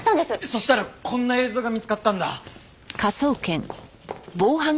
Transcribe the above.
そしたらこんな映像が見つかったんだ。